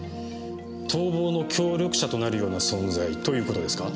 逃亡の協力者となるような存在ということですか？